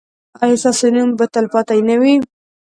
ایا ستاسو نوم به تلپاتې نه وي؟